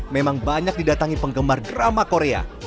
memang banyak didatangi penggemar drama korea